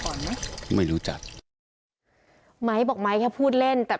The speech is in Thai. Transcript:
พี่เค้าดูในบ้านผมเลยนะ